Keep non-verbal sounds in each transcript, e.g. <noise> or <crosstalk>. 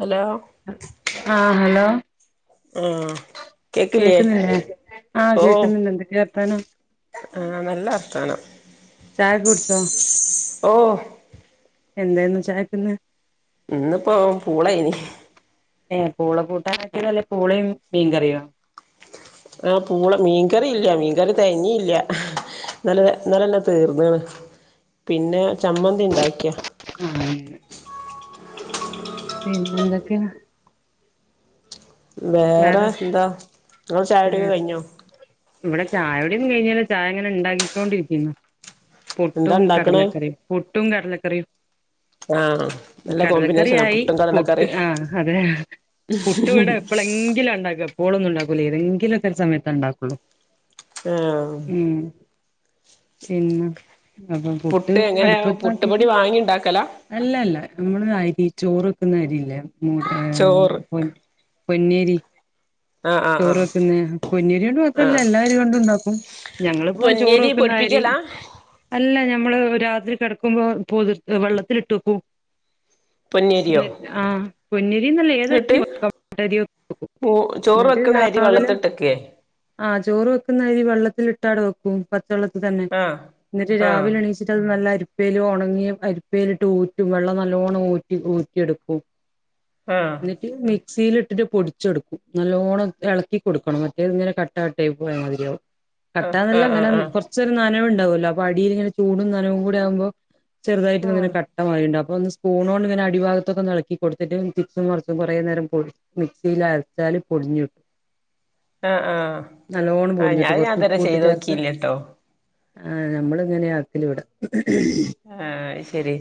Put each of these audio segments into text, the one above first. Hello ആഹ് hello ആഹ് കേക്കില്ലേ കേക്കുന്നില്ലേ ആഹ് ഓ കേക്ക്‌ന്നിണ്ട് എന്തൊക്കെയാ വർത്താനം ആഹ് നല്ല വർത്താനം ചായൊക്കെ കുടിച്ചോ ഓഹ് എന്തായിരുന്നു ചായക്കിന്ന് ഇന്നിപ്പോ പൂളയാനി ഏഹ് പൂള കൂട്ടാൻ ആക്കിയതോ അല്ലേൽ പൂളയും മീൻ കറിയോ ആഹ് പൂള മീൻകറി ഇല്ല മീൻകറി തികഞ്ഞ് ഇല്ല. ഇന്നലെ ഇന്നലന്നെ തീർന്നാണ് പിന്നെ ചമ്മന്തി ഇണ്ടാക്കിയാ. പിന്നെ എന്തൊക്കെയാ? വേറെ എന്താ നിങ്ങള് ചായ? കുടിയൊക്കെ വേറെ കഴിഞ്ഞോ ഇവിടെ ചായ കുടിയൊന്നും കഴിഞ്ഞില്ല ചായ ഇങ്ങനെ ഉണ്ടാക്കിക്കൊണ്ടിരിക്കുന്നു. പുട്ടും എന്താ ഇണ്ടാക്ക്ണ് കടലക്കറിയും പുട്ടും കടലക്കറിയും. ആഹ് നല്ല കോമ്പിനേഷനാ കടലക്കറിയായി പുട്ടും പുട്ട് കടലക്കറിം ആഹ് അതെ. പുട്ട് ഇവിട എപ്പോളെങ്കിലും ഉണ്ടാക്കാ എപ്പോഴൊന്നും ഉണ്ടാക്കൂലാ ഏതെങ്കിലുമൊക്കെ ഒരു സമയത്ത് ഉണ്ടാക്കുള്ളൂ. ആഹ് ഉം പിന്നെ അപ്പോ പുട്ട് എങ്ങനെ പുട്ടുപൊടി അടുപ്പത്താക്കിട്ട് വാങ്ങി ഇണ്ടാക്കലാ അല്ല അല്ല നമ്മള് അരി ചോറ് വെക്കുന്നരില്ലേ മൂട് ചോറ് ഏഹ് പൊ പൊന്നേരി ആഹ് ആഹ് ചോറ് ആഹ് വെക്കുന്ന പൊന്നിയരി കൊണ്ട് മാത്രല്ല ആഹ് എല്ലാരി കൊണ്ടും ഉണ്ടാക്കും ഞങ്ങളിപ്പോ ചോറ് പൊന്നിയരി വെക്കുന്നരി പൊടിപ്പിക്കലാ അല്ല ഞമ്മള് രാത്രി കിടക്കുമ്പോ പൊതിർ വെള്ളത്തിലിട്ട് വെക്കും. പൊന്നരിയോ എന്ന് ആഹ് പൊന്നരി എന്നല്ല എന്നിട്ട് ഏതരിയും മൂ ചോറ് <unintelligible> വെക്കണ അരി രാവിലെ വെള്ളത്തിട്ടക്കേ ആ ചോറ് വെക്കുന്നരി വെള്ളത്തില് ഇട്ടാടെ വെക്കും പ ച്ച വെള്ളത്തിൽ തന്നെ ആഹ് എന്നിട്ട് ആഹ് രാവിലെ എണീച്ചിട്ട് അത് നല്ലാ അരിപ്പ അരിപ്പേൽ ഒണങ്ങിയ അരിപ്പയിലിട്ട് ഊറ്റും വെള്ളം നല്ലോണം ഊറ്റി ഊറ്റിയെടുക്കും. ആഹ് എന്നിട്ട് മിക്സിലിട്ടിട്ട് പൊടിച്ചെടുക്കും നല്ലോണം ഇളക്കി കൊടുക്കണം മറ്റേത് ഇങ്ങനെ കട്ട കട്ടയായി പോയ മാതിരിയാവും. ആഹ് കട്ടന്നല്ല ആഹ് അങ്ങനെ ആഹ് കൊറച്ചൊരു നനവ് ഉണ്ടാവുമല്ലോ അപ്പോ അടിൽ ഇങ്ങനെ ചൂടും നനവും കൂടി ആകുമ്പോ ചെറുതായിട്ട് ആഹ് ഇങ്ങനെ ആഹ് കട്ടമാതിരിയിണ്ടാകും. അപ്പോ ഒന്ന് സ്പൂണ് കൊണ്ട് ഇങ്ങനെ അടിഭാഗത്തൊക്കെ ഇളക്കി കൊടുത്തിട്ട് തിരിച്ചും മറിച്ചും കുറേ നേരം പൊ മിക്സിൽ അരച്ചാല് ല് പൊടിഞ്ഞ് കിട്ടും. ആഹ് ആഹ് നല്ലോണം ആഹ് പൊടിഞ്ഞ് ഞാൻ കിട്ടും അത് ഞാൻ കൊറച്ച് ഇതുവരെ ഉപ്പും ചെയ്ത് ഇട്ടിട്ട് അരച്ചാ. നോക്കിയില്ലട്ടോ ആഹ് നമ്മള് ഇങ്ങനെയാ ആക്കല് ഇവിടെ. ആഹ് അയ്ശരി.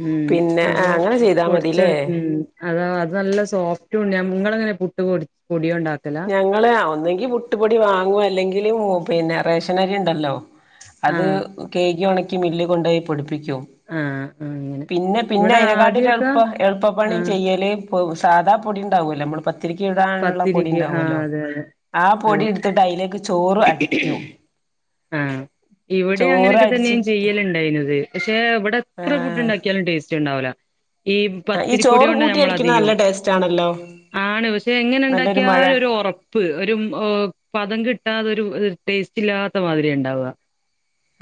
ഉം അപ്പോ പൊടിച്ചെടുത്ത് ഉം അത് അത് നല്ല സോഫ്റ്റ് ഉണ്ടാവും ഇങ്ങളങ്ങനെ പുട്ട് പൊടിയോണ്ടാക്കുവാ? ഞങ്ങള് ഒന്നങ്കില് പുട്ടുപൊടി വാങ്ങും അല്ലെങ്കില് പിന്നെ റേഷനരി ഉണ്ടല്ലോ? അത് ആഹ് കയ്കി ഉണക്കി മില്ല് കൊണ്ടോയി പൊടിപ്പിക്കും. ആഹ് ആഹ് അങ്ങനെ പിന്നെ പിന്നെ ഇവിടെ അയിതനെക്കാട്ടിലും ആദ്യൊക്കെ എളുപ്പം എളുപ്പ പ്പണി ആഹ് ചെയ്യല് സാധാ പൊടി ഉണ്ടാവുമല്ലേ നമ്മൾ പത്തിരിക്ക് ചുടാനുള്ള പൊ ടി ആ അതെ അതെ അതെ. എടുത്തിട്ട് അതിലേക്ക് ചോറ് അടിക്കും ആ ഇവിടേം ചോറ് അങ്ങനൊക്കെ തന്നെയും അടിച്ചിട്ട് ചെയ്യലുണ്ടായിന് ന്നത് പക്ഷേ ഇവിടെ ആ എത്ര പുട്ടുണ്ടാക്കിയാലും ടേസ്റ്റ് ഉണ്ടാവൂല. ഈ ഈ പത്തിരിപ്പൊടി ചോറ് കൊണ്ടാ കൂട്ടി അടിക്കുന്നത് നല്ല ഞമ്മളധികവും ടേസ്റ്റ് ആണല്ലോ ആണ് പ ക്ഷേ എങ്ങനെ നല്ലൊരു മഴ ഉണ്ടാക്കിയാലും ഒരൊറപ്പ് ഒരു ആ പതം കിട്ടാതൊരു ഒരു ടേസ്റ്റ് ഇല്ലാത്ത മാതിരിയാ ഉണ്ടാവുക.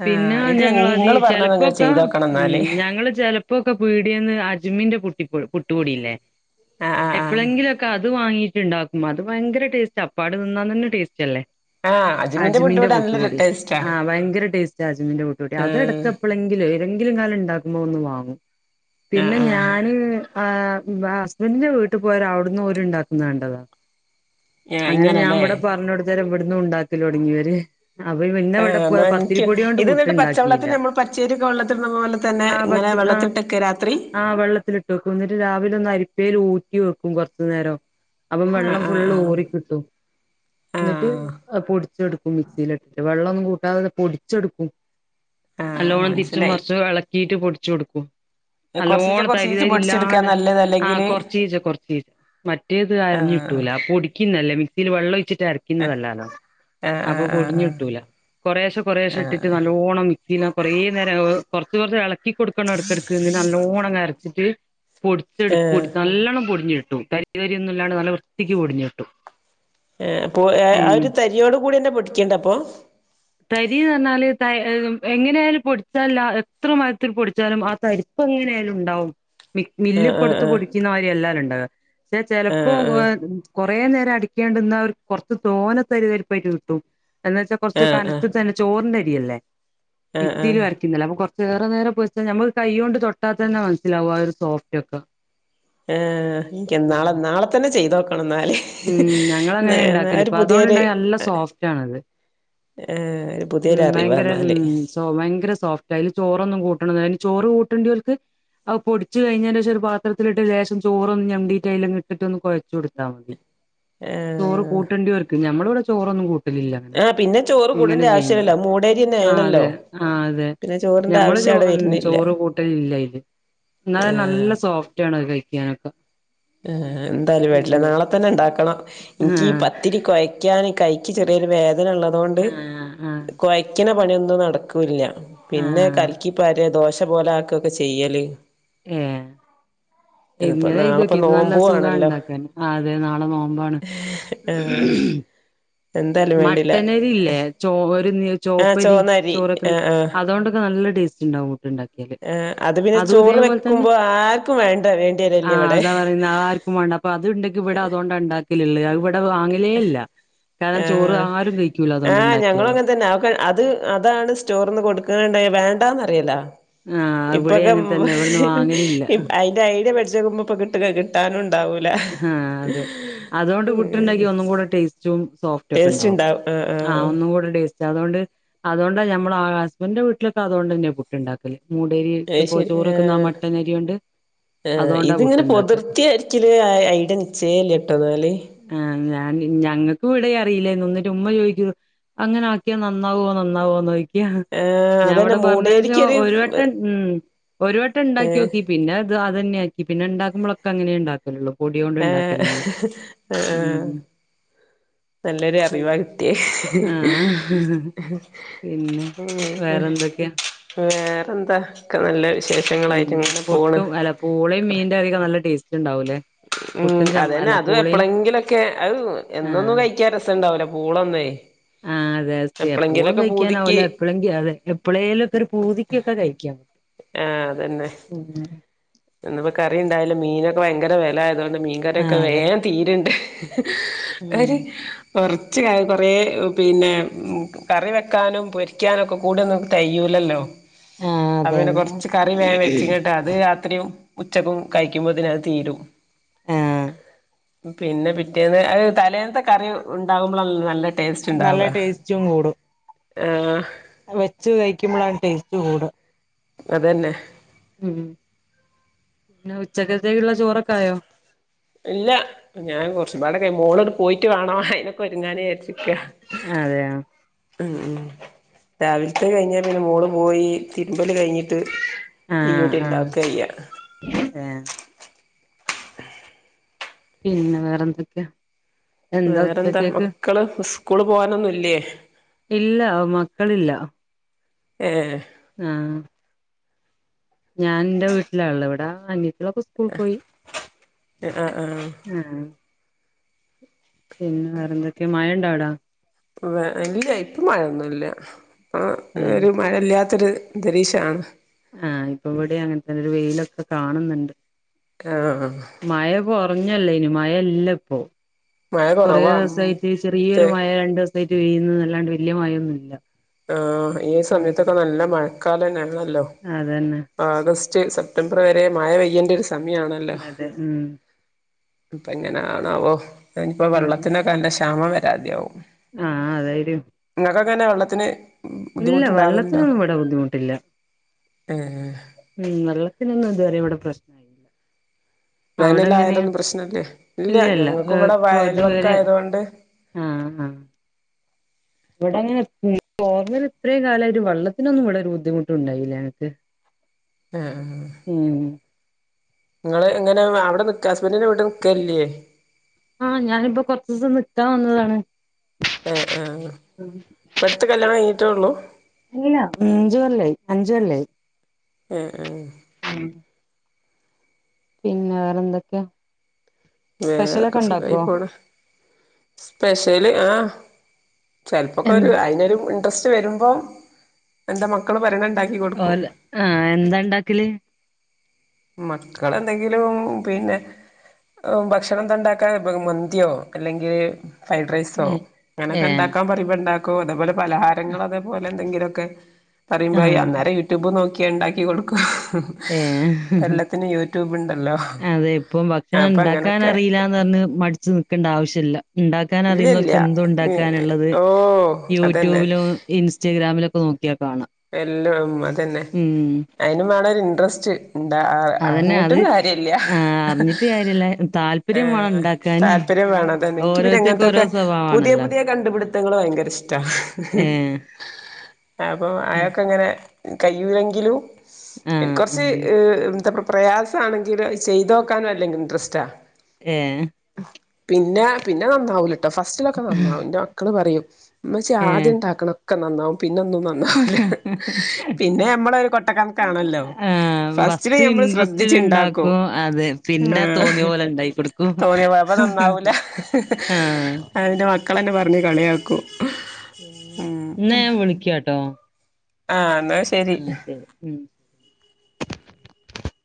ആ പിന്നെ ഇത് ഞങ്ങ അതി നിങ്ങൾ പറഞ്ഞത് ഞാൻ ചെലപ്പൊക്കെ ചെയ്തോക്കണം ഉം എന്നാല് ഞങ്ങള് ചെലപ്പോക്കെ പീടിയേന്ന് അജ്മിന്റെ പു പ്പഴു പുട്ടുപൊടില്ലേ ആ ആ ആ എപ്പളെങ്കിലും ഒക്കെ അത് വാങ്ങീറ്റുണ്ടാക്കും അത് ഭയങ്കര ടേസ്റ്റാ അപ്പാട് തിന്നാൻ തന്നെ ടേസ്റ്റ് അല്ലേ? ആ അജ്മിന്റെ പുട്ട് അജ്മീന്റെ ഇവിടെ നല്ല പുട്ടുപൊടി ടേസ്റ്റാ ആ ഭയങ്കര ടേസ്റ്റാ അജ്മീന്റെ പുട്ടുപൊടി അതെടുക്കെപ്പളെങ്കിലും ഏ ന്നെങ്കിലും കാലം ഉണ്ടാക്കുമ്പോ ഒന്ന് വാങ്ങും ആ പിന്നെ ആ ആ ഞാന് ആ ഹസ്ബന്റിന്റെ വീട്ടിൽ പോയോര് അവിടന്നോര് ഇണ്ടാക്കുന്ന കണ്ടതാ. അങ്ങനെ ഞാ ഇങ്ങനല്ലേ ഇവിടെ പറഞ്ഞ കൊടുത്തേരം ഇവിടുന്നും ഉണ്ടാക്കല് തുടങ്ങിയിവര്. അവര് പിന്നെ ഇവിടെ ആഹ് പ് എന്നാ എനിക്ക് പത്തിരിപ്പൊടി കൊണ്ട് ഇത് എന്നിട്ട് പുട്ടുണ്ടാക്കിയില്ല പച്ചവെള്ളത്തിൽ നമ്മൾ പച്ചരിയൊക്കെ വെള്ളത്തിലിടുന്ന പോലെ തന്നെ ആ ഇങ്ങനെ പച്ച ആ വെള്ളത്തിട്ടൊക്കെ രാത്രി ആ വെള്ളത്തിലിട്ടു വെക്കും എന്നിട്ട് രാവിലെ ഒന്നരി പ്പേലൂറ്റിവെക്കും കൊറച്ചു നേരം. അപ്പം ആഹ് വെള്ളം ആഹ് ആഹ് ഫുള്ളൂറിക്കിട്ടും എന്നിട്ട് ആഹ് അ പൊടിച് ച്ചെടുക്കും മിക്സിലിട്ടിട്ട് വെള്ളം ഒന്നും കൂട്ടാതെ പൊടിച്ചെടുക്കും. ആഹ് നല്ലോണം തിരിച്ചും മനസ്സിലായി മറിച്ചും ഇളക്കിയിട്ട് പൊടിച്ചു കൊടുക്കും. കൊറച്ചീച്ചെ നല്ലോണം തരി കൊറച്ചീച്ചെ തരി പൊടിച്ചെടുക്കാ ഇല്ലാണ്ട്, നല്ലത് ആ അല്ലെങ്കില് കൊറചീച്ച കൊറചീച്ച മറ്റേത് ആഹ് അരഞ്ഞുകിട്ടൂല പൊടിക്കുന്നല്ലേ മിക്സിയിൽ വെള്ള ഒഴിച്ച് ഇതരക്കുന്നതല്ലാല്ലോ ആഹ് അപ്പൊ ആഹ് ആഹ് പൊടിഞ്ഞിട്ടൂല കൊറേശേ കൊറേശേ ആഹ് ഇട്ടിട്ട് ആഹ് നല്ലോണം പിന്ന കുറേ നേരം കൊറച്ച് കൊറച്ച് എളക്കി കൊടുക്കണം എടക്കെടക്ക് ന്നിട്ട് നല്ലോണങ്ങ് അരച്ചിട്ട് ആഹ് പൊടിച്ചെടുക്കുട് ആഹ് നല്ലണ്ണം പൊടിഞ്ഞുകിട്ടും തരി തരിയൊന്നും ഇല്ലാണ്ട് നല്ല വൃത്തിക്ക് പൊടിഞ്ഞുകിട്ടും. ഏ അപ്പൊ ആ ഒരു തരിയോട് കൂടിയന്നെ പൊടിക്കേണ്ടേ അപ്പൊ? തരിന്ന് പറഞ്ഞാല് ത എങ്ങനെയാലും പൊടിച്ചാല് എത്ര മയത്തിൽ പൊടിച്ചാലും ആ തരിപ്പങ്ങ് നെയായാലും ഉണ്ടാവും മില്ലി ആഹ് കൊടുത്ത് ആഹ് പൊടിക്കുന്നമാരി അല്ലാലോ ഉണ്ടാവ. പക്ഷെ ചെലപ്പോ ആഹ് <unintelligible> കൊറേ നേരം അടിക്കാണ്ടിന്നാ കുറച്ച് തോന തരിതരിപ്പായിട്ട് കിട്ടും എന്ന്വച്ചാൽ ആഹ് കുറച്ച് ആഹ് ആഹ് കനത്തി ആഹ് തന്നെ, ചോറിന്റെ അരി അല്ലേ? ആഹ് മിക്സിലുവരയ്ക്കുന്നല്ലേ അപ്പോ കൊറ ചേറെ നേരം പോയിചാ നമ്മുക്ക് കൈ കൊണ്ട് തൊട്ടാത്തന്നെ മനസ്സിലാവും ആ ഒരു സോഫ്റ്റ് ഒക്കെ ആ എനിക്ക്‌ നാളെ നാളെ തന്നെ ചെയ്തോക്ക ണം എന്നാല് ഉം ഞങ്ങളങ്ങനെ നാ ഉണ്ടാക്കല് ഒരു ഇപ്പൊ പുതിയൊരു അതുകൊണ്ടുണ്ടായ നല്ല സോഫ്റ്റ് ആണത് ആഹ് ഒരു പുതിയൊരു ഉം ഭയങ്കര ഉം അറിവാന്നാല് സോ ഭയങ്കര സോഫ്റ്റാ അതില് ചോറൊന്നും കൂട്ടണ ചോറ് കൂട്ടണ്ടിതിലക്ക്? അത് പൊടിച്ച് കഴിഞ്ഞന്റെഷം ഒരു പാത്രത്തിലിട്ട് ഒരു ലേശം ചോറൊന്നുഞമ്ണ്ടീട്ടയിലങ്ങിട്ടിട്ട് ഒന്ന് കൊഴച്ചു കൊടുത്താ മതി. ചോറ് ആഹ് കൂട്ടണ്ടിയവർക്ക്‌ ഞമ്മളിവിടെ ചോറൊന്നും കൂട്ട ട്ടലില്ല ആഹ് പിന്നെ ചോറ് ഇങ്ങനെ കൂടേണ്ട ചെയ്യുമ്പോ, ആവശ്യല്ലല്ലോ മൂടേരിയന്നെ ആ ആണല്ലോ അതേ ആ അതേ, പിന്നെ ചോറിന്റെ ഞമ്മള് ആവശ്യം അവിടെ ന്നും വരുന്നില്ല ചോറ് കൂട്ടലില്ലയില് എന്നാലും ആഹ് നല്ല സോഫ്റ്റ് ആണത് കഴിക്കാനൊക്കെ. ആ എന്തായാലും വേണ്ടില്ല ഉം നാളെ തന്നെണ്ടാക്കണം എനിക്ക് ഈ ആഹ് പത്തിരി കൊഴയ്ക്കാന് കൈ ക്ക് ചെറിയൊരു വേദന ഒള്ളതുകൊണ്ട് ആഹ് ആഹ് കൊയക്കണ പണിയൊന്നും നടക്കൂല്ല. പിന്നെ ആഹ് കൽക്കിപ്പരെ ദോശ പോലെ ആക്ക്വക്കെ ചെയ്യല്. ഇപ്പ എങ്ങനെ ഇത് നാളെപ്പോ ഇത് നല്ല നോമ്പു സുഖാ ആണല്ലോ ഇണ്ടാക്കാൻ, ആ അതെ നാളെ നോമ്പാണ്. ആഹ് എന്തായാലും വേണ്ടില്ല മട്ടനരി ഇല്ലേ ചോ ഒരു ആഹ് ചോപ്പരി ചോന്നരി ചോറെക്കുന്നെ ആഹ് ആഹ് അതുകൊണ്ടൊക്കെ നല്ല ടേസ്റ്റാ. ഇണ്ടാവ്വോ? ഇണ്ടാക്കിയാല്, ആഹ് അത് പിന്നെ അതു ചോറ് ഇതേപോലെ തന്നെ വെക്കുമ്പോ ആർക്കും വേണ്ട ആ വേണ്ടിവരല്ലേ ഇവിടെ അതാ പറയുന്നെ ആരു ക്കും വേണ്ട അപ്പൊ അതുണ്ടെങ്കി ഇവിടെ അതുകൊണ്ട് ഉണ്ടാക്കലില്ല ഇവിടെ വാങ്ങലേല്ല. ആ ആ ഞങ്ങളു അങ്ങനെ തന്നെ അവക്ക് അത് അതാണ് സ്റ്റോറിന്ന് കൊടുക്കണണ്ടായ വേണ്ടാന്നറിയില്ല ആ ഇവിടെ ഇപ്പൊക്കെ അങ്ങനെ തന്നെ ഇവിടുന്ന് വാങ്ങലില്ല ഇ അയിന്റെ ഐഡിയ പഠി ഇജേകുമ്പോ പുട്ട് കിട്ടാനുണ്ട് ആ അതെ അതോണ്ട് പുട്ട്ണ്ടാക്കി ഒന്നും കൂടെ ടേസ്റ്റും സോഫ്റ്റ് ഒക്കെ ടേസ്റ്റ് ഉണ്ടാവും ആഹ് ആ ആഹ് ഒന്നും കൂടെ ടേസ്റ്റ് അതോണ്ട് അതുകൊണ്ട നമ്മള് ആ ഹസ്ബൻന്റെ വീട്ടിലൊക്കെ അതോണ്ടന്നേ പുട്ട് ഉണ്ടാക്കല് മൂടരി അത് ചപ്പോ ചോറ് വെക്കുന്ന ആ മട്ടൻ അരിയോണ്ട് ആ ഇതിങ്ങനെ പൊതിർത്തി അരിക്കല് ഐ ഐഡിയ നിച്ചേ ഇല്ലട്ടോ ന്നാല് ഞാന് ഞങ്ങൾക്കു ഇവിടെ അറില്ലായിരുന്നു ന്നിട്ട് ഉമ്മ ചോയ്ക്കു അങ്ങനെ ആക്കിയാ നന്നാവോ നന്നാവോന്നു ന്നോ യാ ആഹ് ഞാൻ അതന്നെ ഇവിടെ പറഞ്ഞ ശേഷം മൂടേരിക്കൊരു ഒരു വട്ടം ഉം ഒരു വട്ടം ഉണ്ടാക്കി ഏഹ് നോക്കി പിന്നെ അത് അതന്നേ ആക്കി പിന്നെ ഇണ്ടാക്കുമ്പളൊക്കെ അങ്ങനെ ഇണ്ടാക്കലൊള്ളൂ പൊടിയോണ്ട് ആഹ് ഇണ്ടാക്കലില്ല ആഹ് ഉം നല്ലൊരു പി അറിവ കിട്ടിയേ ആഹ് പിന്നെ വേറെന്തൊക്കെയാ വേറെന്താ ഒക്ക നല്ലേ ഉം പുട്ടും അല്ല പൂളേം മീന്റെ അധികം നല്ല ടേസ്റ്റ് ഉണ്ടാവൂല്ലേ ഉം അതന്നെ അത് എപ്പഴെങ്കിലൊക്കെ അത് എന്നൊന്നും കഴിക്കാൻ രസുണ്ടാവില്ല പൂളന്നെ ആഹ അതെ അേ എപ്പോഴും പൂതിക്ക് കഴിക്കാനാവില്ല എപ്പോഴെങ്കും അതെ എപ്പഴെലുക്കെ ഒരു പൂതിക്കൊക്കെ കഴിക്കാം ആ അതന്നെ ഉം ഇന്നിപ്പോ കറി ഉണ്ടായലും മീനൊക്കെ ഭയങ്കര വില ആയതൊണ്ട് മീൻകറിക്കെ ആഹ് വേ അതെ തീരുണ്ട് അവര് ആഹ് <unintelligible> ഉച്ചക കുറേ പിന്നെ കറി വെക്കാനും പൊരിക്കാനും ഒക്കെ കൂടെന്നക്ക് തെകയുല്ലല്ലോ അപ്പ അതെ പിന്നെ അതെ കൊറച്ച് കറി വേഗൻ വെച്ചങ്ങട്ട് അത് രാത്രിയും ഉച്ചക്കും കഴിക്കുമ്പോത്ത അത് തീരും ആഹ് പിന്നെ പിറ്റേന്ന് തലേനത്തെ കറി ഉണ്ടാമ്പോളല്ലോ നല്ല നല്ല ടേസ്റ്റും കൂടും ആ വെച്ചു കയിക്കുമ്പളാണ് ടെയ്സ്റ്റ് കൂട. അതെന്നെഹ്. ഉം. ന്ന ഉച്ചക്കത്തേക്ക്ള്ള ചോറൊക്കായോ? ഇല്ല. ഞാൻ കൊർച്ച്പാടെ കെ മോളട് പോയിറ്റ്‌ വേണോ ഹയി നൊക്കെ അതെയോ <unintelligible> ഊം. രാവിൽത്തഅ് കഴിഞ്ഞെ പിന്നെ മോള് പോയി തിര് <unintelligible> കയിഞ്ഞിട്ട് ആഹ് തിയ്യൂട്ടി ആഹ് ണ്ടാക്കായ്യാ. <inaudible> ഏഹ് പിന്ന വേറന്തൊക്കെയാ? വേറന്ത? മക്കള് സ്ക്കൂള് പോകാനൊന്നുല്ല്യേ? ഇല്ല. മക്കള്ല്ല ഏഹ്. ആഹ്. ഞാൻന്റ വീട്ടിലാള്ള വെടാ അനി <unintelligible> സ്കൂൾ പോയ്. ആഹ് ആഹ് ആഹ്. പിന്ന വേറെന്തൊക്കെയാ? മഴണ്ടൊ ആട വെ ഇല്ല്യ ഇപ്പം മഴയൊന്നുല്ല. ആ ഏഹ് ഒര് മഴയില്ല്യാ ത്ത് ര് ന്തരീഷാണ് ആഹ്. ഇപ്പം വെടെയങ്ങൻതന്നെ ഒരു വെയിലൊക്ക കാണ്ന്ന്ണ്ട്. ആ അ <unintelligible> മയല്ലപ്പൊ. മഴ കുറവാ കൊറേവസായിറ്റ് ചെറിയൊരു ത്തെ മയ രണ്ടോസായിറ്റ് വെയ്യ്ന്ന്ന്നല്ലാണ്ട് വല്ല്യ മയൊന്നുല്ല. ആഹ്. ഈ സമയത്തൊക്ക നല്ല മഴക്കാലെന്നാണല്ലൊ. അതന്നെ ആഗസ് <unintelligible> സപ്റ്റംബറ് വരെ മയ പെയ്യെണ്ടൊര് അതെയതെ. ഉം അപ്പ എങ്ങനൊണാവോ അനിപ്പോ വെള്ളത്തിനൊക്കെ അന്റെ ക്ഷാമം വരാതെയാവും ആ അതായിരും അങ്ങനെ വെള്ളത്തിന് ഇല്ല ബുദ്ധിമുട്ടുണ്ടാവലുണ്ടോ വെള്ളത്തിനൊന്നും ഇവടെ ബുദ്ധിമുട്ടില്ല ഏ ഉം നല്ല അത്തിനൊന്നും ഇതുവരെ ഇവിടെ പ്രശ്ന അവിടെങ്ങനെയാ വേനലായാലൊന്നും പ്രശ്നല്ലേ ഇല്ല ഇല്ലല്ല ഞങ്ങൾക്കും ഇവിടെ ഇപ്പൊ ഇതുവരെ വയൽവക്കായതുകൊണ്ട് ആഹാ ഇവിടെങ്ങനെ ഓർന്നൽ ഇത്രേയും കാലമായിട്ട് വെള്ളത്തിനൊന്നും ഇവിടൊരു ബുദ്ധിമുട്ടുണ്ടായില്ല അനക്ക് ആ നിങ്ങള് എങ്ങനെ അവിടെ നിക്ക ഹസ്ബൻഡന്റെ വീട്ട് നിക്കല്ലേ ത്താ വന്നതാണ് ഏ ആ ഇപ്പടുത്ത് കല്യാണം കഴിഞ്ഞിട്ടേ ഉള്ളൂ അല്ല അഞ്ച്കൊല്ലായി അഞ്ചു കൊല്ലായി ഉം ഉം <inaudible> പിന്നെ വേറെന്തൊക്കെയാ വേറൊക്കെ സ്പെഷ്യലൊക്കെ സുഖമായി ഉണ്ടാക്കുവോ പോണ് സ്പെഷല് ആ ചെലപ്പോക്കെ എൻ ഒരു അയിനൊരു ഇൻട്രസ്റ്റ് വരുമ്പോ എന്റെ മക്കള് പറണ ഓ ആ എന്താ ഇണ്ടാക്കല് മക്കൾ എന്തെങ്കിലും പിന്നെ ഭക്ഷണം ന്താണ്ടാക്കാ മന്തിയോ അല്ലെങ്കി ഫ്രൈഡ് റൈസോ ഏഹ് ഏഹ് അങ്ങനൊക്കെണ്ടാക്കാൻ പറയ്മ്പോ ഇണ്ടാക്കും അതേപോലെ പലഹാരങ്ങൾ അതേപോലെ എന്തെങ്കിലൊക്കെ പറയുമ്പോ ആഹ് അന്നേരം യൂട്യൂബ് നോക്കി ഇണ്ടാക്കി കൊടുക്കും ഏഹ് <inaudible> എല്ലാത്തിനും യൂട്യൂബ് ഇണ്ടല്ലോ അതെ ഇപ്പം ഭക്ഷണം അപ്പൊ അങ്ങനൊക്കെ ഇണ്ടാക്കാനറിയില്ലാന്ന് ഇണ്ടാക്കാൻ ഇല്ല ഇല്ല അറിയുന്നവർക്ക് എന്തും ഉണ്ടാക്കാന്ള്ളത് ഓ അതന്നെ യൂട്യൂബിലും ഇൻസ്റ്റഗ്രാമിലൊ എല്ലാം ഉം അതന്നെ ഉം അയിനും വേണൊരു ഇൻട്രസ്റ്റ് എന്താ അതന്നെ അറിഞ്ഞിട്ടും അത് കാര്യില്ല ആഹ് അറിഞ്ഞിട്ട് കാര്യല്ല താല്പര്യം വേണം ഇണ്ടാക്കാന്. വേണം അതന്നെ എനിക്ക് പിന്നെ ഓരോരുത്തർക്ക് ഓരോ അങ്ങനത്തൊക്കെ പുതിയ സ്വഭാവാണല്ലോ. പുതിയ കണ്ടപിടിത്ത ങ്ങള് ഭയങ്കര ഇഷ്ടാ ഏഹ് അപ്പൊ അയാക്കങ്ങനെ കയൂല്ലെങ്കിലും എ ആഹ് ആഹ് കൊറച്ച് എന്താ പ്ര പ്രയാസാണെങ്കിലും ചെയ്തോക്കാനും നല്ല ഇൻട്രസ്റ്റാ ഏഹ് പിന്ന പിന്ന നന്നാവൂല ഫസ്റ്റിലൊക്കെ നന്നാവും എന്റെ മക്കള് പറയും ഏഹ് മച്ചിആദ്യം ഉണ്ടാക്കണക്കെ നന്നാവും പിന്നൊന്നും പിന്നെ മ്മള ഒരു കൊട്ടക്കണക്കാണല്ലോ ആഹ് ഫസ്റ്റില് ഫസ്റ്റ് മ്മള് ശ്രദ്ധി ഇൻട്രസ്റ്റില് ച്ചിണ്ടാക്കൂ ഇണ്ടാക്കും അത് പിന്നെ തോന്നിയ പോലെ ഇണ്ടാക്കി കൊടുക്കും തോന്നിയ പോയപ്പ നന്നാവൂല ആഹ് അതിന്റെ മക്കളെന്നെ പറഞ്ഞ് കളിയാക്കൂ ന്നെ ആൻ വിളിക്കാട്ടോ ആ ആ ശരി ഉം